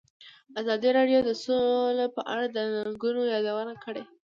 ازادي راډیو د سوله په اړه د ننګونو یادونه کړې.